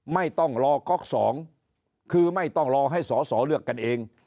ไม่ต้องรอก๊อกสองคือไม่ต้องรอให้สอสอเลือกกันเอง